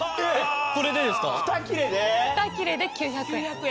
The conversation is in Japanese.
２切れで９００円。